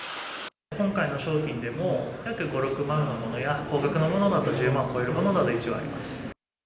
今回の商品でも、約５、６万のものや、高額なものだと１０万超えるものが、一部あります。